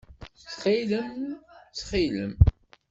Ttxil-m! Ttxil-m!